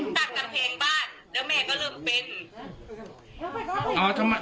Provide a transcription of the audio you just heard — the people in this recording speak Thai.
ตั้งกำแพงบ้านแล้วแม่ก็เริ่มเป็น